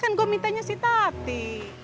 kan gua minta si tati